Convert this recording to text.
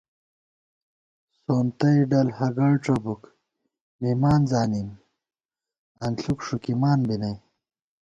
سونتَئ ڈل ہگَڑ ڄَبُک مِمان زانِیم انݪُک ݭُکِمان بی نئ